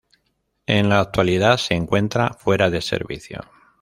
En la actualidad se encuentra fuera de servicio.